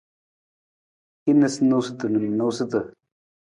Hin niisaniisatu na noosutu.